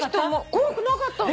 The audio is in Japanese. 怖くなかったの。